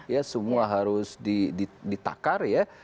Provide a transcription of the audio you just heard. ya semua harus ditakar ya